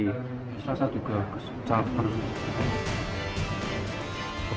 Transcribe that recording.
mas gibran juga campur